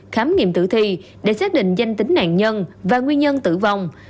khám nghiệm tử thi để xác định danh tính nạn nhân và nguyên nhân tử vong